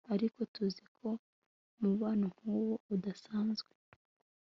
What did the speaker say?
ariko tuzi ko umubano nkuwo udasanzwe